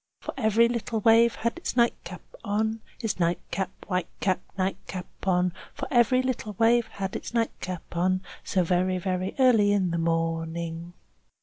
Chorus For every little wave has its nightcap on, Its nightcap, white cap, nightcap on. For every little wave has its nightcap on, So very, very early in the morning.